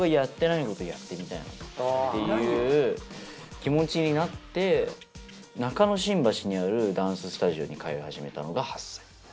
っていう気持ちになって中野新橋にあるダンススタジオに通い始めたのが８歳。